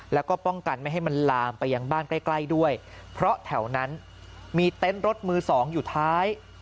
แล้วก็ป้องกันไม่ให้มันลามไปยังบ้านใกล้ใกล้ด้วยเพราะแถวนั้นมีเต็นต์รถมือสองอยู่ท้าย